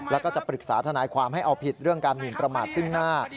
แล้วก็จะปรึกษาทนายความให้เอาผิดเรื่องการหมินประมาทซึ่งหน้า